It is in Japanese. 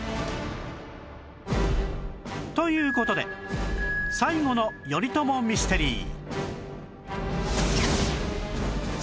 という事で最後の頼朝ミステリー